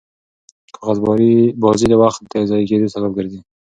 کاغذبازي د وخت د ضایع کېدو سبب ګرځي.